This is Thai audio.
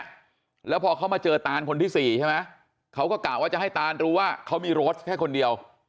แล้วพอเขามาเจอตานคนที่สี่ใช่ไหมเขาก็กะว่าจะให้ตานรู้ว่าเขามีโรสแค่คนเดียว